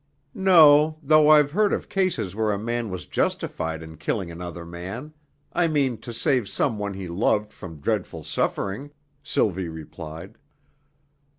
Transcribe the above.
"No, though I've heard of cases where a man was justified in killing another man I mean to save some one he loved from dreadful suffering," Sylvie replied.